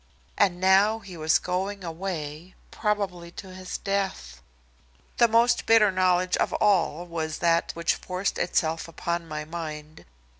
And now he was going away, probably to his death. The most bitter knowledge of all, was that which forced itself upon my mind.